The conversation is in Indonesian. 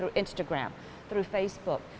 dengan instagram facebook